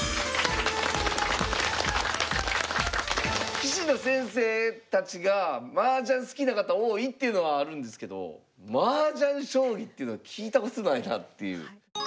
棋士の先生たちがマージャン好きな方多いっていうのはあるんですけどマージャン将棋っていうのは聞いたことないなっていう。